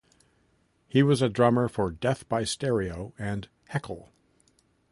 He was a drummer for Death by Stereo and Heckle.